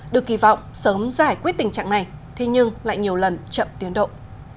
được kỳ vọng sớm giải quyết tình trạng này nhưng lại nhiều lần chậm tiến động